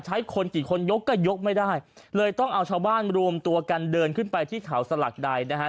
คนกี่คนยกก็ยกไม่ได้เลยต้องเอาชาวบ้านรวมตัวกันเดินขึ้นไปที่เขาสลักใดนะฮะ